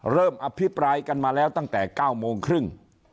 อภิปรายกันมาแล้วตั้งแต่๙โมงครึ่ง